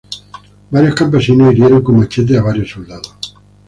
Varios campesinos hirieron con machetes a varios soldados.